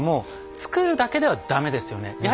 作るだけじゃ駄目ですよ。